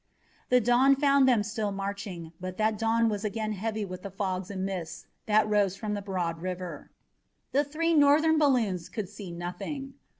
The dawn found them still marching, but that dawn was again heavy with the fogs and mists that rose from the broad river. The three Northern balloons could see nothing.